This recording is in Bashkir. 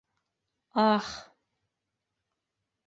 Ах!..